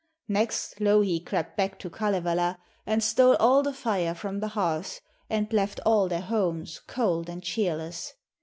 Next Louhi crept back to Kalevala and stole all the fire from the hearths, and left all their homes cold and cheerless.